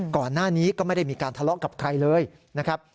ก่อนหน้านี้ก็ไม่ได้มีการทะเลาะกับใครเลยนะครับ